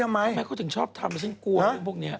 ทำไมเขาถึงชอบทำให้ฉันกลัวเรื่องพวกนี้